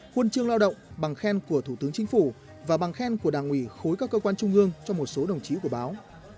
huân chương lao động bằng khen của thủ tướng chính phủ và bằng khen của đảng ủy khối các cơ quan trung ương cho một số đồng chí của báo